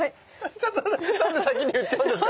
ちょっとなんで先に言っちゃうんですか？